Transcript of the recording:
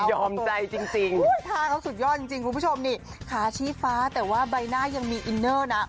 ใจจริงท่าเขาสุดยอดจริงคุณผู้ชมนี่ขาชี้ฟ้าแต่ว่าใบหน้ายังมีอินเนอร์นะ